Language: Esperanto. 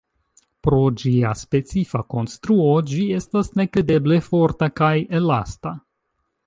Pro ĝia specifa konstruo, ĝi estas nekredeble forta kaj elasta.